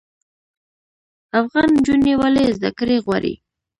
افغان نجونې ولې زده کړې غواړي؟